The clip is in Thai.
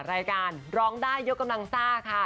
รายการร้องได้ยกกำลังซ่าค่ะ